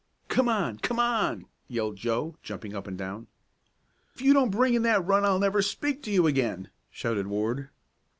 "Come on! Come on!" yelled Joe, jumping up and down. "If you don't bring in that run I'll never speak to you again!" shouted Ward.